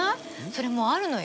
それもうあるのよ